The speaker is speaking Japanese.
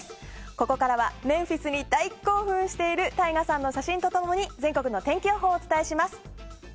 ここからはメンフィスに大興奮しているＴＡＩＧＡさんの写真と共に全国の天気予報をお伝えします。